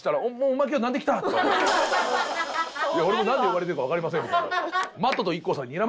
「俺もなんで呼ばれてるかわかりません」みたいな。